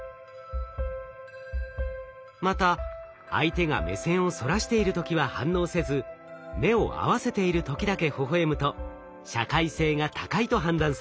また相手が目線をそらしている時は反応せず目を合わせている時だけほほえむと社会性が高いと判断されます。